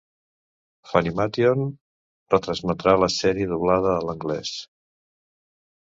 Funimation retransmetrà la sèrie doblada a l'anglès.